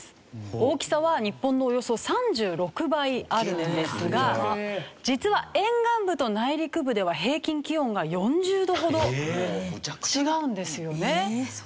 大きさは日本のおよそ３６倍あるんですが実は沿岸部と内陸部では平均気温が４０度ほど違うんですよね。